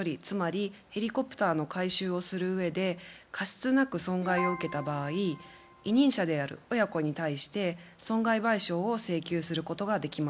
つまりヘリコプターの回収をするうえで過失なく損害を受けた場合委任者である親子に対して損害賠償を請求することができます。